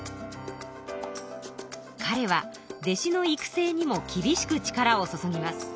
かれは弟子の育成にもきびしく力を注ぎます。